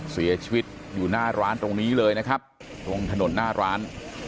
เสียชีวิตอยู่หน้าร้านตรงนี้เลยนะครับตรงถนนหน้าร้าน